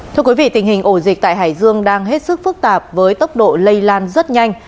thưa quý vị tình hình ổ dịch tại hải dương đang hết sức phức tạp với tốc độ lây lan rất nhanh